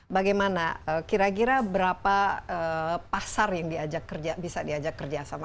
bagaimana kira kira berapa pasar yang bisa diajak kerja sama